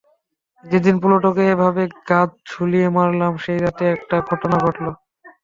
যেদিন প্লুটোকে এভাবে গাছে ঝুলিয়ে মারলাম সেই রাতে একটা ঘটনা ঘটল।